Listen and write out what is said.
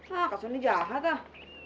ah kak suni jahat ah